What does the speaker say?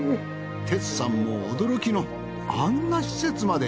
哲さんも驚きのあんな施設まで。